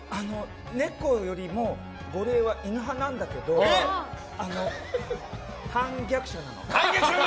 猫よりもゴリエは犬派なんだけど反逆者なの。